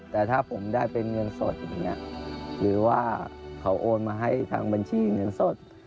แต่ถ้าผมได้เป็นเงินสดอย่างนี้หรือว่าเขาโอนมาให้ทางบัญชีเงินสด